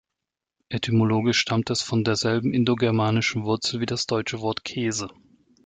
Etymologisch stammt es von derselben indogermanischen Wurzel wie das deutsche Wort "Käse".